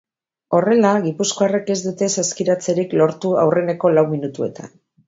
Horrela, gizpukoarrek ez dute saskiratzerik lortu aurreneko lau minutuetan.